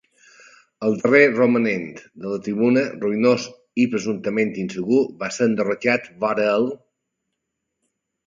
El darrer romanent de la tribuna, ruïnós i presumptament insegur, va ser enderrocat vora el